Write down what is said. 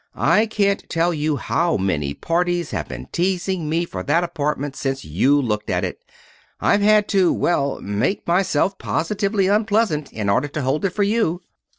I can't tell you how many parties have been teasing me for that apartment since you looked at it. I've had to well make myself positively unpleasant in order to hold it for you.